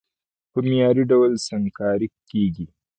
په معياري ډول سنګکاري کېږي،